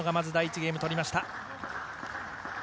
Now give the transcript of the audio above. ゲームを取りました。